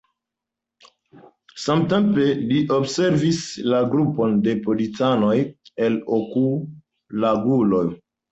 Samtempe li observis la grupon da policanoj el okulangulo.